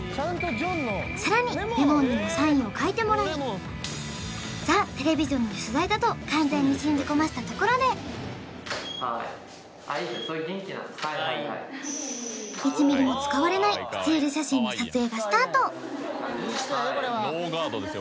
さらにレモンにもサインを書いてもらいザテレビジョンの取材だと完全に信じ込ませたところではい１ミリも使われないスチール写真の撮影がスタートノーガードですよ